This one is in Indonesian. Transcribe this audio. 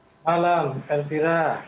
selamat malam elvira